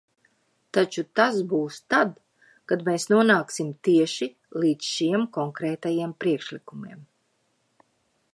Taču tas būs tad, kad mēs nonāksim tieši līdz šiem konkrētajiem priekšlikumiem.